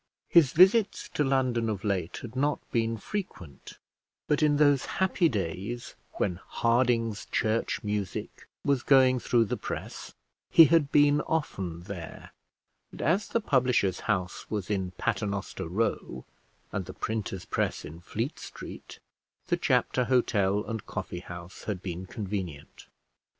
His visits to London of late had not been frequent; but in those happy days when "Harding's Church Music" was going through the press, he had been often there; and as the publisher's house was in Paternoster Row, and the printer's press in Fleet Street, the Chapter Hotel and Coffee House had been convenient.